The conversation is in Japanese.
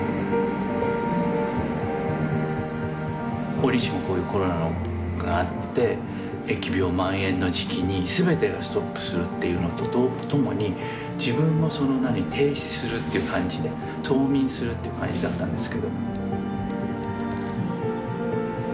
折しもこういうコロナがあって疫病まん延の時期に全てがストップするっていうのとともに自分もそのなに停止するっていう感じで冬眠するっていう感じだったんですけど。